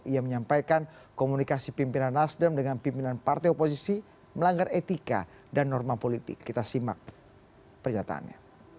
ia menyampaikan komunikasi pimpinan nasdem dengan pimpinan partai oposisi melanggar etika dan norma politik kita simak pernyataannya